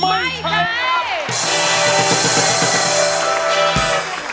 ไม่ใช้